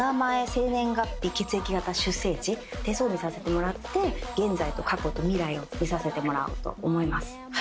生年月日血液型出生地手相見させてもらって現在と過去と未来を見させてもらおうと思います。